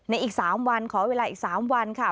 อีก๓วันขอเวลาอีก๓วันค่ะ